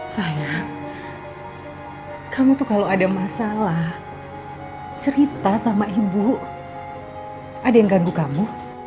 sayang kamu tuh kalau ada masalah cerita sama ibu ada yang ganggu kamu